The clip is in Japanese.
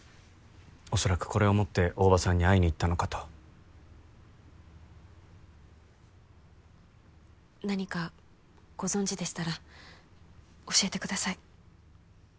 おそらくこれを持って大庭さんに会いに行ったのかと何かご存じでしたら教えてください